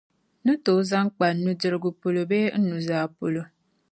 n-ni tooi zaŋ kpa n nudirigu polo bee n nuzaa polo.